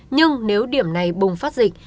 nhưng nếu điểm này bùng phát dịch